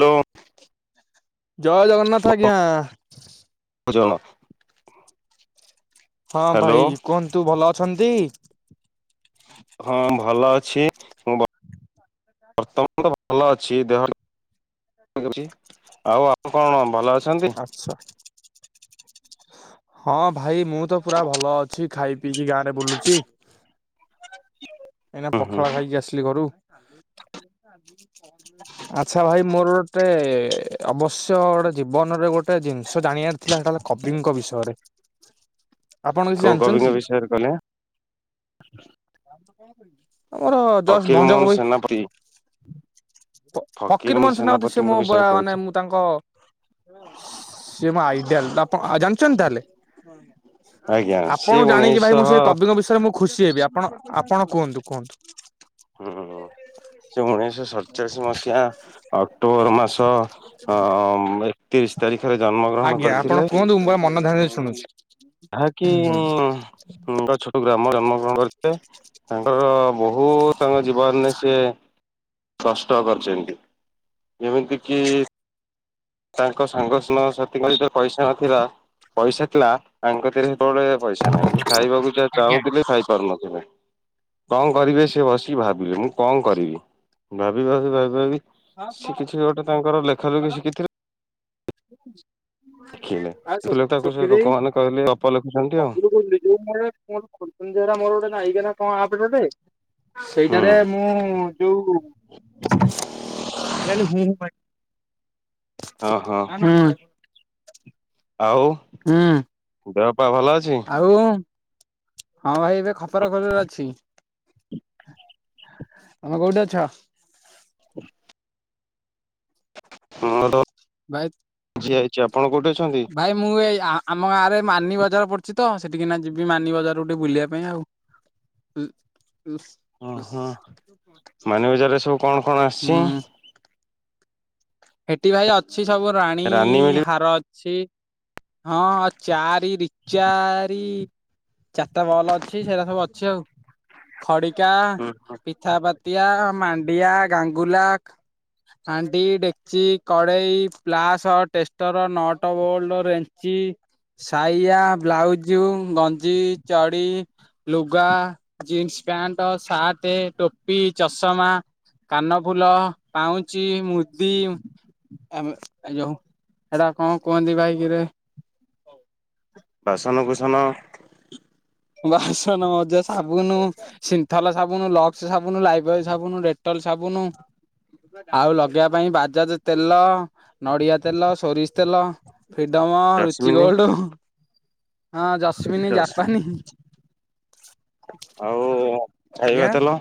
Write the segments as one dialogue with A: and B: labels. A: Hello.
B: ଜୟ ଜଗନ୍ନାଥ ଆଜ୍ଞା।
A: ଜୟ ଜଗନ୍ନାଥ।
B: ହଁ ଭାଇ କୁହନ୍ତୁ ଭଲ ଅଛନ୍ତି।
A: ହଁ ଭଲ ଅଛି ମୁଁ। ବର୍ତ୍ତମାନ ତ ଭଲ ଅଛି ଦେହ। ଆଉ ଆଉ କଣ ଭଲ ଅଛି।
B: ଆଛା ହଁ ଭାଇ ମୁଁ ତ ପୁରା ଭଲ ଅଛି ଖାଇି ପିଇକି ଗାଁ ରେ ବୁଲୁଛି। କାହିଁକିନା
A: ହୁଁ ହୁଁ
B: ପଖାଳ ଖାଇକି ଆସିଲି ଘରୁ ଆଚ୍ଛା ଭାଇ ମୋର ଗୋଟେ ଅବଶ୍ୟ ଗୋଟେ ଜୀବନରେ ଗୋଟେ ଜିନିଷ ଜାଣିବାର ଥିଲା ସେଟା ହେଲା କବିଙ୍କ ବିଷୟରେ। ଆପଣ କିଛି
A: କଉ
B: ଜାଣିଛନ୍ତି
A: କବିଙ୍କ
B: କି?
A: ବିଷୟରେ କହିଲେ।
B: ଆମର ଯଷ୍ଟ
A: ଫକୀର
B: ଭଞ୍ଜ
A: ମୋହନ
B: କବି।
A: ସେନାପତି।
B: ଫକୀର ମୋହନ ସେନାପତି ସେ
A: ସେନାପତିଙ୍କ
B: ମୋ
A: ବିଷୟରେ
B: ମାନେ
A: କହୁଛି
B: ମୁଁ ତାଙ୍କ ସେ ମୋ ଆଇଡିଆଲ୍ ଆପଣ ଜାଣିଛନ୍ତି ତାହେଲେ।
A: ଆଜ୍ଞା ସିଏ
B: ଆପଣ ଜାଣିକି ଭାଇ
A: ଉଣେଇଶହ
B: ମୁଁ ସେଇ କବିଙ୍କ ବିଷୟରେ ମୁଁ ଖୁସି ହେବି ଆପଣ ଆପଣ କୁହନ୍ତୁ କୁହନ୍ତୁ।
A: ହୁଁ ସେ ଉଣେଇଶି ଶହ ସତ ଏକଚାଳିଶ ମସିହା ଅକ୍ଟୋବର ମାସ ଏକତିରିଶ ତାରିଖ
B: ଆଜ୍ଞା ଆପଣ କୁହନ୍ତୁ ମୁଁ ପୁରା ମନ ଧ୍ୟାନ ଦେଇ ଶୁଣୁଛି।
A: ଯାହାକି
B: ହୁଁ।
A: ଛୋଟ ଗ୍ରାମ ଜନ୍ମ ଗ୍ରହଣ କରିଥିଲେ। ତାଙ୍କର ବହୁ ତାଙ୍କ ଜୀବନରେ ସିଏ କଷ୍ଟ କରିଛନ୍ତି ଯେମିତିକି ତାଙ୍କ ସାଙ୍ଗ ସାଙ୍ଗ ସାଥିଙ୍କ ଯେତେବେଳେ ପଇସା ନଥିଲା ପଇସା ଥିଲା ଆଙ୍କକତିରେ ସେତେବେଳେ ପଇସା ନାହିଁ କି ଖାଇବାକୁ ଯାହା
B: ଆଜ୍ଞା।
A: ଚାହୁଁଥିଲେ ଖାଇ ପାରୁନଥିଲେ। କଣ କରିବେ ସେ ବସିକି ଭାବିଲେ ମୁଁ କଣ କରିବି ଭାବି ଭାବି ଭାବି ଭାବି ସେ କିିଛି ଗୋଟେ ତାଙ୍କର ଲେଖା ଲେଖି ଶିଖିଥିଲେ। ଲେଖିଲେ
B: ଆ
A: ଲେଖିଲେ ତାକୁ ସେ
B: ସୋପି ଦେଇ
A: ଲୋକମାନେ କହିଲେ ଗପ ଲେଖୁଛନ୍ତି ଆଉ
B: ବବୁଲୁ କହୁଥିଲି ଯୋଉ କଣ ଖୋଲୁଛନ୍ତିା ମୋର ଗୋଟେ ନାଇକା ନା କଣ ଆପ୍ ଦେ
A: ହୁଁ
B: ସେଇଟାରେ ମୁଁ ଯୋଉ ଏ ଖାଲି ହୁଁ
A: ହଁ ହଁ।
B: ହୁଁ
A: ଆଉ।
B: ହୁଁ।
A: ଦେହପା ଭଲ ଅଛି।
B: ଆଉ ହଁ ଭାଇ ଏବେ ଖପରା ଖୋଲରେ ଅଛି।
A: [unintelligible]
B: ତମେ କୋଉଠି ଅଛ।
A: [inaudible] ହଁ
B: ଭାଇ
A: [unintelligible] ଆପଣ କୋଉଠି ଅଛନ୍ତି?
B: ଭାଇ ମୁଁ ଏଇ ଆମ ଗାଁରେ ମାନି ବଜାର ପଡୁଛି ତ ସେଠିକିନା ଯିବି ମାନି ବଜାରକୁ ଟିକେ ବୁଲିବା ପାଇଁ ଆଉ। ହୁଁ।
A: ଓହୋ ମାନି ବଜାରରେ ସବୁ କଣ କଣ ଆସିଛି?
B: ହୁଁ ହେଠି ଭାଇ ଅଛି ସବୁ ରାଣୀ
A: ରାନୀ ମିଳି
B: ହାର ଅଛି ହଁ ଚାରି ର ଚାରି ଚାରି ଭଲ ଅଛି ସେଇଟା ସବୁ ଅଛି ଆଉ ଖଡିକା ପିଠାପ ଟିଆ ମାଣ୍ଡିଆ ଗାଙ୍ଗୁଲା ହାଣ୍ଡି ଡେକ୍ଚି କଡେଇ ପ୍ଲାସ ଟେଷ୍ଟର ନଅଟ ବୋଲଡ ରେ୍ଜ ସାଇଆ ବ୍ଲାଉଜ ଗଞ୍ଜି ଚଡି ଲୁଗା ଜିନ୍ସ ପ୍ୟାଣ୍ଟ ସାର୍ଟ ଟୋପି ଚଷମା କାନ ଫୁଲ ପାଉଁଚି ମୁଦି ଆ ଏ ଯୋଉ ସେଟା କଣ କୁହନ୍ତି ଭାଇ କିିରେ ହଉ।
A: ବାସନ କୁସନ
B: ବାସନ ମଜା ସାବୁନୁ ସିନ୍ଥଲ ସାବୁନୁ ଲକ୍ସ ସୁନୁ ଲାଇବ୍ରେରୀ ସୁନୁ ଡେଟଲ ସାବୁନୁ। ଆଉ ଲଗେଇବା ପାଇଁ ବାଜାଜ ତେଲ ନଡିଆ ତେଲ ସୋରିଷ ତେଲ ଫ୍ରିଡମ ରୁଚି
A: ଜସ୍ମିନି
B: ଗୋଲଡ଼୍ ହଁ ଜସ୍ମିନୀ
A: ଜସ୍
B: ଜାପାନୀ
A: ଆଉ ଖାଇବା
B: ଆଜ୍ଞା
A: ତେଲ?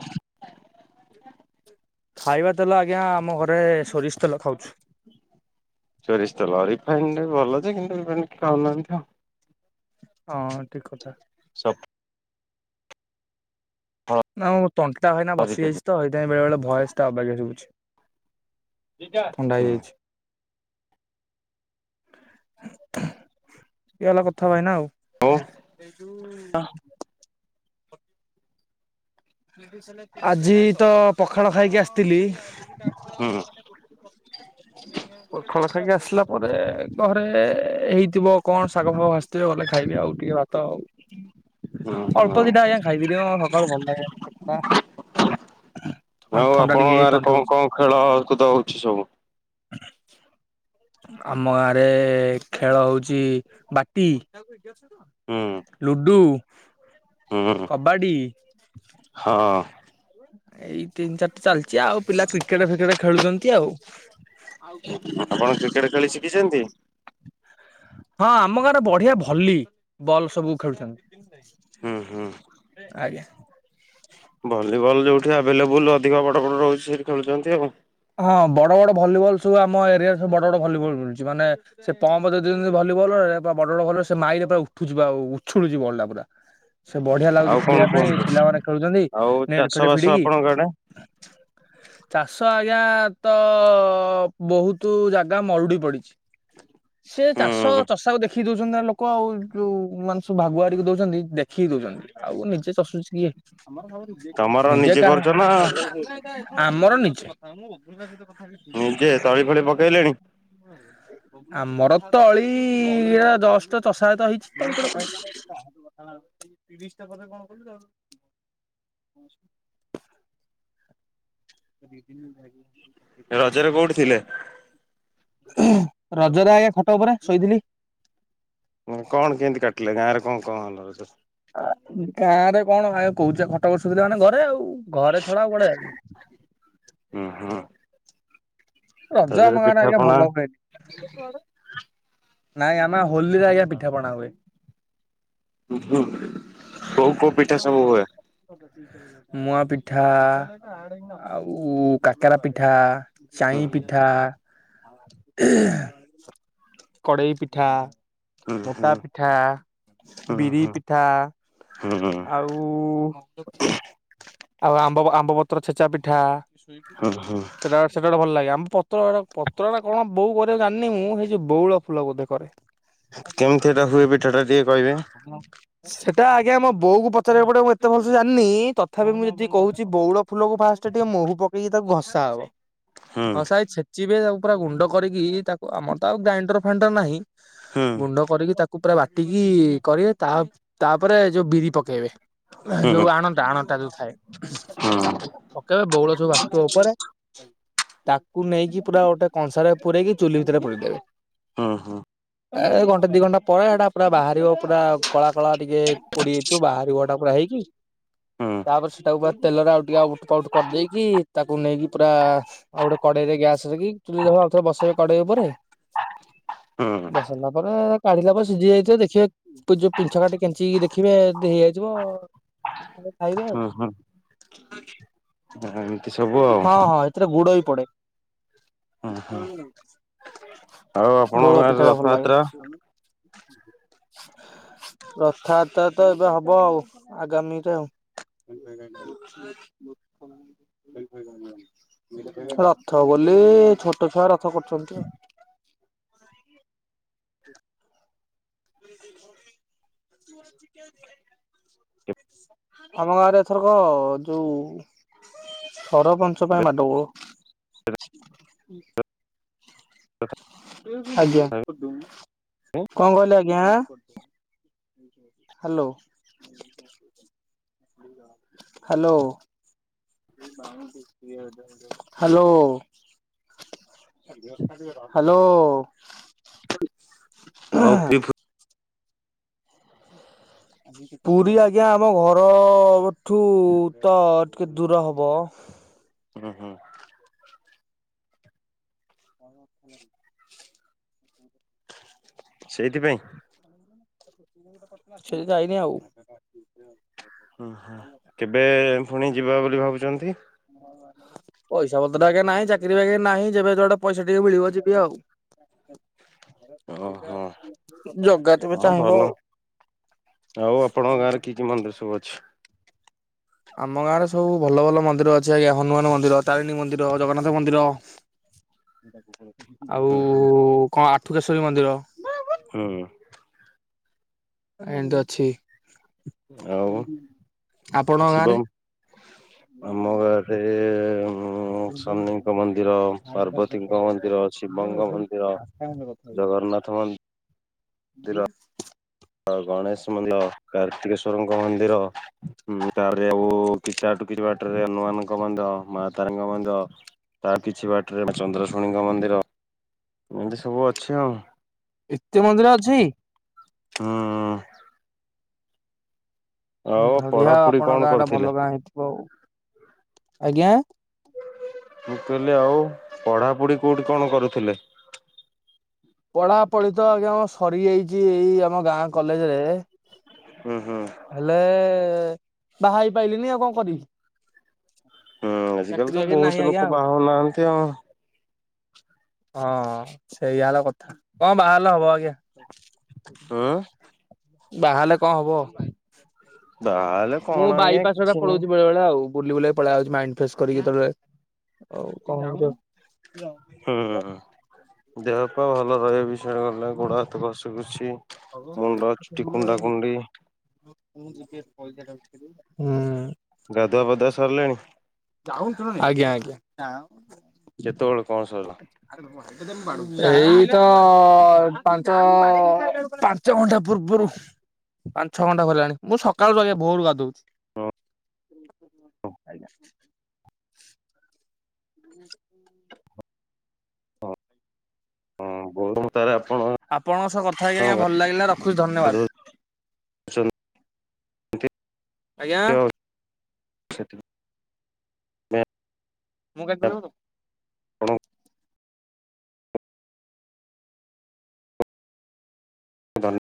B: ଖାଇବା ତେଲ ଆଜ୍ଞା ଆମ ଘରେ ସୋରିଷ ତେଲ ଖାଉଛୁ।
A: ସୋରିଶ ତେଲ ରିଫାଇଣ୍ଡ ଭଲଯେ କିନ୍ତୁ ଖାଉନାହାନ୍ତି ଆଉ।
B: ହଁ ଠିକ କଥା।
A: ସବ ହୁଁ
B: ନା ମୁଁ ତଣ୍ଟା କାଇନା
A: ହଉ
B: ବସି ଯାଇଛି ତ ସେଥିପାଇଁ ବେଳେ ବେଳେ ଭୟସ ଟା ଅବାଗିଆ ସୁବୁଛି।
A: ଦିଟା ହଁ।
B: ଇଏ ହେଲା କଥା ଭାଇନା ଆଉ। ଦେ ଦୁ ଆଜି ତ ପଖାଳ ଖାଇକି ଆସି ଥିଲି।
A: ହୁଁ
B: ପଖାଳ ଖାଇକି ଆସିଲା ପରେ ଘରେ ହେଇଥିବ କଣ ଶାଗ ଫାଗ ଭାଜିଥିବେ ଗଲେ ଖାଇବି ଆଉ ଟିକେ ଭାତ ଆଉ।
A: ହୁଁ ହୁଁ।
B: ଅଳ୍ପ ଦିଟା ଆଜ୍ଞା ଖାଇଥିଲି ମ ସକାଳୁ ଭଲ ଲାଗିଲାନି ପେଟ୍ ଟା
A: ଆଉ ଆପଣଙ୍କ ଗାଁରେ କଣ କଣ ଖେଳ କୁଦ ହଉଛି ସବୁ?
B: ଆମ ଗାଁରେ ଖେଳ ହଉଛି ବାଟି
A: ହୁଁ
B: ଲୁଡୁ
A: ହୁଁ
B: କବାଡ଼ି
A: ହଁ।
B: ଏଇ ତିନି ଚାରିଟା ଚାଲିଛି ଆଉ ପିଲା କ୍ରିକେଟ ଫିକେଟ ଖେଳୁଛନ୍ତି ଆଉ।
A: ଆପଣ କ୍ରିକେଟ ଖେଳି ଶିଖିଛନ୍ତି?
B: ହଁ ଆମ ଗାଁରେ ବଢିଆ ଭଲି ବଲ୍ ସବୁ
A: ହୁଁ ହୁଁ।
B: ଖେଳୁଛନ୍ତି। ଆଜ୍ଞା।
A: ଭଲିବଲ ଯୋଉଠି ଆଭେଲେବୁଲ ଅଧିକ ବଡ ବଡ ରହୁଛି ସେଇଠି ଖେଳୁଛନ୍ତି ଆଉ।
B: ହଁ ବଡ ବଡ ଭଲିବଲ ସବୁ ଆମ ଏରିଆରେ ସବୁ ବଡ ବଡ ଭଲିବଲ ମିଳୁଛି ମାନେ ସେ ପମ୍ପ ଦେଇଦେଉଛନ୍ତି ଭଲି ଲରେ ବଡ଼ ବଡ ବଲ ରେ ସେ ମାଇଲେ ପୁରା ଉଠୁଛି ଆଉ ଉଛୁଡୁଛି ବଲ ଟା ପୁରା। ସେ ବଢିଆ ଲାଗୁଛି
A: ଆଉ କଣ
B: ଖେଳିବା ପାଇଁ
A: କୁହନ୍ତୁ
B: ପିଲାମାନେ ଖେଳୁଛନ୍ତି
A: ଆଉ
B: ନେଟ
A: ଚାଷ
B: ଫେଟ
A: ବାସ
B: ଭିଡିକି
A: ଆପଣଙ୍କ ଆଡେ?
B: ଚାଷ ଆ ଆଜ୍ଞା ତ ବହୁତ ଜାଗା ମରୁଡି ପଡିଛି। ସେ ଚାଷ
A: ହୁଁ
B: ଚଷାକୁ ଦେଖି ଦେଖି ଦଉଛନ୍ତି ଲୋକ ଆଉ ଯୋଉ ମାନସ ଭାଗୁ ଆଡିକି ଦଉଛନ୍ତି ଦେଖିକି ଦଉଛନ୍ତି। ଆଉ ନିଜେ ଚଷୁଛି କିଏ?
A: ତମର
B: ନିଜେ
A: କରୁଛ
B: କାହା
A: ନା
B: ଆମର ନିଜେ
A: ନିଜେ ତଳି ଫଳି ପକେଇଲେଣି
B: ଆମର ତଳି ଜଷ୍ଟ ଚଷା ତ ହେଇଛି ତଳି କରେ ଘରେ କଣ କରୁଚ?
A: ହ [inaudible]
B: ଦି ଦିନ୍ ଖାଇକୀ
A: ରଜରେ କୋଉଠି ଥିଲେ?
B: ରଜରେ ଆଜ୍ଞା ଖଟ ଉପରେ ଶୋଇଥିଲି।
A: କଣ କେମିତି କାଟିଲେ ଗାଁ ରେ କଣ କଣ ହେଲା ରଜରେ?
B: ଗାଁ ରେ କଣ ଆଜ୍ଞା କହୁଚି ପା ଖଟ ଉପରେ ଶୋଇଥିଲି ମାନେ ଘରେ ଆଉ। ଘରେ ଛଡା ଆଉ କୁଆଡେ ଯାଇନି।
A: ହ ହଁ।
B: ରଜା ଆମ ଗାଁରେ ଆଜ୍ଞା ଭଲ ହୁଏନି। ନାଇଁ ଆମା ହୋଲିରେ ଆଜ୍ଞା ପିଠା ପଣା ହୁଏ।
A: ଉ ହୁଁ କୋଉ କୋଉ ପିଠା ସବୁ ହୁଏ?
B: ମୁଆ ପିଠା ଆଉ କାକେରା ପିଠା।
A: ହୁଁ
B: ଚାଇଁ ପିଠା। କଡ଼ାଇ ପିଠା
A: ହୁଁ ହୁଁ
B: ମୋଟା ପିଠା
A: ହୁଁ
B: ବିରି
A: ହୁଁ
B: ପିଠା
A: ହୁଁ ହୁଁ
B: ଆଉ ଆଉ ଆମ୍ବ ଆମ୍ବପତ୍ର ଛେଚା ପିଠା
A: ହୁଁ ହୁଁ
B: ସେଟା ସେଟା ଗୋଟେ ଭଲ ଲାଗେ ପତଳା ପତଳା ବୋଉ କରେ ଜାଣିନି, ମୁଁ ସେଇଛି ବଉଳ ଫୁଲ ବୋଧେ କରେ
A: କେମିତି ଏଟା ହୁଏ ପିଠାଟା ଟିକେ କହିବେ?
B: ଏଟା ଆଜ୍ଞା ବୋଉକୁ ପଚିବାକୁ ପଡିବ ମୁଁ ଏତେ ଭଲସେ ଜାଣିନି ତଥାପି ମୁଁ ଯେତିକି କହୁଛି, ବଉଳ ଫୁଲକୁ ଫାଷ୍ଟ ଟିକେ ମହୁ ପକେଇକି ତାକୁ ଘଷା ହବ
A: ହୁଁ
B: ହଁ ସେଇ ଛେଚିବେ ତାକୁ ପୁରା ଗୁଣ୍ଡ କରିକି, ତାକୁ ଆମର ତ ଆଉ ଗ୍ରାଇଣ୍ଡର ଫାଣ୍ଡର ନାହିଁ
A: ହୁଁ
B: ଗୁଣ୍ଡ କରିକି ତାକୁ ପୁରା ବାଟିକି କରିବେ ତା ତାପରେ ଯୋଉ ବିରି ପକେଇବେ
A: ହୁଁ ହୁଁ ହୁଁ ହୁଁ।
B: ଯୋଉ ଆଣଟା ଆଣଟା ଯୋଉ ଥାଏ ଓକେ ବୋଉଳ ସବୁ ବସୁଥିବ ଉପରେ ତାକୁ ନେଇକି ପୁରା ଗୋଟେ କଂସା ରେ ପୁରରେଇକି ଚୁଲି ଭିତରେ ପୁରାଇଦେବେ।
A: ହଁ ହଁ।
B: ଏ ଘଣ୍ଟା ଦି ଘଣ୍ଟା ପରେ ଏଟା ପୁରା ବାହାରିବ ପୁରା କଳା କଳା ଟିକେ ପୋଡି ଯାଇଥିବ ବାହାରିବ ଏଟା ହେଇକି ତାପରେ ସେଟାକୁ ତେଲରେ ଆଉ ଟିକେ ଉଠ ପାଉଟ କରିଦେଇକି ତାକୁ ନେଇକି ପୁରା ଆଉ ଗୋଟେ କଡେଇ ରେ ଗ୍ୟାସରେ, ଚୁଲି ରେ ଆଉ ଥରେ ବସେଇବେ କଡେଇ ଉପରେ
A: ହୁଁ
B: ବସଲା ପରେ କାଢିଲା ପରେ ସିଝି ଯାଇଥିବ ଦେଖିବେ ଯୋଉ ପିଛ କାଟି କେଞ୍ଚିକି ଦେଖିବେ ହେଇଯଇଯିଵ ଖାଇବେ ଆଉ।
A: ହୁଁ ଏମିତି ସବୁ ଆଉ ହୁଁ
B: ହଁ ହଁ ସେଥିରେ ଗୁଡ଼ ହୋଇ ପଡ଼େ।
A: ହୁଁ। ଆଉ ଆପଣଙ୍କ
B: ବଉଳଆ
A: ଗାଁରେ
B: ପିଠା ଟା ଭଲ ଲାଗେ
A: ରଥଯାତ୍ରା
B: ରଥଯାତ୍ରା ତ ଏବେ ହବ ଆଉ ଆଗାମୀରେ ଆଉ
A: [inaudible]
B: ରଥ ବୋଲି ଛୋଟ ଛୁଆ ରଥ କରୁଛନ୍ତି। [inaudible] ଆମ ଗାଁ ରେ ଏଥରକ ଯୋଉ ସରପଞ୍ଚ ପାଇଁ ମାଡ଼ଗୋଳ ଆଜ୍ଞା କଣ କହିଲି ଆଜ୍ଞା? ହାଲୋ। ହାଲୋ। ହ୍ୟାଲୋ। ହ୍ୟାଲୋ।
A: ଆଉ, ପି ପୁତ୍
B: ପୁରୀ ଆଜ୍ଞା ଆମ ଘର ଠୁ ତ ଟିକେ ଦୂର ହବ।
A: ହୁ, ହୁଁ।
B: [inaudible]
A: ସେଇଥି ପାଇଁ।
B: ସେ ଯାଇନି ଆଉ।
A: ହୁଁ ହୁଁ କେବେ ପୁଣି ଯିବା ବୋଲି ଭାବୁଛନ୍ତି?
B: ପଇସା ପତ୍ର ଆଜ୍ଞା ନାହିଁ ଚାକିରି ବାକିରି ନାହିଁ, ଯେବେ ଯୁଆଡେ ପଇସା ଟିକେ ମିଳିବ ଯିବି ଆଉ।
A: [inaudible] ଓହୋ
B: ଜଗା ଯେବେ
A: ହଁ
B: ଚାହିଁବ
A: ଭଲ
B: ଆଉ।
A: ଆଉ ଆପଣଙ୍କ ଗାଁ ରେ କି କି ମନ୍ଦିର ସବୁ ଅଛି?
B: ଆମ ଗାଁ ରେ ସବୁ ଭଲ ଭଲ ମନ୍ଦିର ଅଛି, ଆଜ୍ଞା ହନୁମାନ ମନ୍ଦିର, ତାରିଣୀ ମନ୍ଦିର, ଜଗନ୍ନାଥ ମନ୍ଦିର ଆଉ
A: ହୁଁ ହୁଁ
B: କଣ ଆଠୁକେଶ୍ଵରୀ ମନ୍ଦିର।
A: ହୁଁ।
B: ଏନଦ ଅଛି।
A: ଆଉ
B: ଆପଣଙ୍କ ଗାଁରେ
A: ଶିବମ୍, ଆମ ଗାଁରେ ଉଁ ଶନିଙ୍କ ମନ୍ଦିର, ପାର୍ବତୀଙ୍କ ମନ୍ଦିର, ଶିବଙ୍କ ମନ୍ଦିର ଜଗନ୍ନାଥ ମନ୍ଦ
B: ହୁଁ।
A: ର, ଗଣେଶ ମନ୍ଦିର, କାର୍ତିକେଶ୍ଵରଙ୍କ ମନ୍ଦିର ତାପରେ ଆଉ କିତା ଟୁ କିଛି ବାଟରେ ହନୁମାନଙ୍କ ମନ୍ଦିର ମା ତାରିଣୀଙ୍କ ମନ୍ଦିର ତା କିିଛି ବାଟରେ ଚନ୍ଦ୍ରଶୁଣୀଙ୍କ ମନ୍ଦିର, ଏମିତି ସବୁ ଅଛି ଆଉ।
B: ଏତେ ମନ୍ଦିର ଅଛି?
A: ହୁଁ। ଆଉ
B: ବଢିଆ
A: ପଢାପଢି
B: ଆପଣଙ୍କ
A: କଣ
B: ଗାଁ ଟା
A: କରିଥିଲେ?
B: ଭଲ ଗାଁ ହେଇଥିବ ଆଉ ଆଜ୍ଞା।
A: ମୁଁ କହିଲି ଆଉ ପଢାପଢି କୋଉଠି କଣ କରୁଥିଲେ?
B: ପଢାପଢି ତ ଆଜ୍ଞା ଆମର ସରିଯାଇଛି ଏଇ ଆମ ଗାଁ କଲେଜ ରେ।
A: ହୁଁ ହୁଁ।
B: ହେଲେ ବାହା ହେଇପାଇଲିନି ଆଉ କଣ କରିବି।
A: ହୁଁ ଆଜିକାଲି
B: ଚାକିରି
A: ତ
B: ବାକିରି ନାହିଁ
A: ବୋହୁତ
B: ଆଜ୍ଞା
A: ଲୋକ
B: ଆଉ।
A: ବାହା ହଉନାହାନ୍ତି ଆଉ।
B: ହଁ, ସେଇଆ ହେଲା କଥା କଣ ବାହ ହେଲେ ହବ ଆଜ୍ଞା।
A: ହୁଁ
B: [inaudible] ବାହା ହେଲେ କଣ ହବ।
A: ବାହାହେଲେ କଣ
B: ମୁଁ
A: ଆଜ୍ଞା
B: ବାଇପାସ୍ ରେ
A: କିଛି ନାହିଁ
B: ପଳଉଛି ବେଳେ ବେଳେ ଆଉ। ବୁଲି ବୁଲାକି ପଳେଇଆଉଛି ମାଇ ଫ୍ରେଶ୍ କରିକି କେତେବେଳେ ଆଉ କଣ
A: ହୁଁ, ଦେହପା ଭଲ ରହିବିସ ସେ ଗଲା ଗୋଡ ହାତ ଘଶିପୁଶି, ମୁଣ୍ଡ ଚୁଟି କୁଣ୍ଡା କୁଣ୍ଡି
B: ମୁଁ ଯିବି ପଇସା ଟା ଉଠେଇଦେବି, ହୁଁ।
A: ଗାଧୁଆ ପାଧୁଆ ସରିଲାଣି।
B: ଆଜ୍ଞା, ଆଜ୍ଞା।
A: ଯେତେବେଳେ।
B: ଆରେ [inaudible] ମୁଁ ବାଡୋଉଛି। ଏଇ ତ ପାଞ୍ଚ ପାଞ୍ଚ ଘଣ୍ଟା ପୂର୍ବୁରୁ। ପାଞ୍ଚ ଛଅ ଘଣ୍ଟା ଗଲାଣି, ମୁଁ ସକାଳରୁ ଆଜ୍ଞା ଭୋରୁ ଗାଧଉଛି।
A: ହଁ।
B: ଆଜ୍ଞା। [inaudible]
A: ହଁ ହଁ ଭୋରୁ ତାହେଲେ ଆପ
B: ଆପଣଙ୍କ ସହ କଥା ହେଇକି ଆଜ୍ଞା ଭଲ ଲାଗିଲା ରଖୁଛି ଧନ୍ୟବାଦ।
A: ଗାଧଉଛନ୍ତି
B: ଆଜ୍ଞା।
A: ସେଟ ହଁ।
B: ମୁଁ। [inaudible]
A: ତମକୁ। ଧନ୍ୟବା।